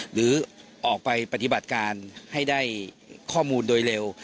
หรือออกไปปฏิบัติการให้ได้ข้อมูลโดยเร็ว